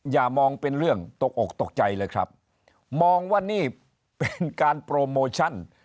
อย่ามองเป็นเรื่องตกอกตกใจเลยครับมองว่านี่เป็นการโปรโมชั่น